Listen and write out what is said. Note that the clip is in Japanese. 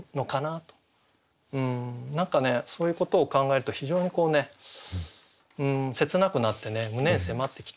何かねそういうことを考えると非常にこう切なくなってね胸に迫ってきて。